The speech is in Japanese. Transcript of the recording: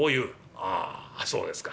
「ああそうですか」。